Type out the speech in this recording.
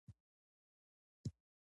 یو سل او شپږ نوي یمه پوښتنه سرانه عاید دی.